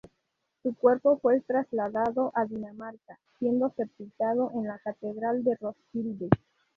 Su cuerpo fue trasladado a Dinamarca, siendo sepultado en la catedral de Roskilde.